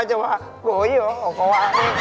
มากี่คน